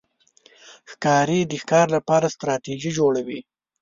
ښکاري د ښکار لپاره ستراتېژي جوړوي.